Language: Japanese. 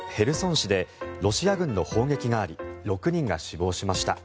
市でロシア軍の砲撃があり６人が死亡しました。